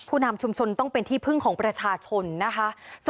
นำชุมชนต้องเป็นที่พึ่งของประชาชนนะคะ